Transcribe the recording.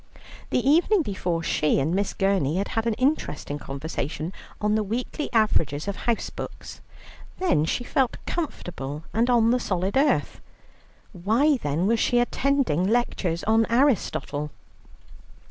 The evening before, she and Miss Gurney had had an interesting conversation on the weekly averages of house books. Then she felt comfortable and on the solid earth. Why then, was she attending lectures on Aristotle?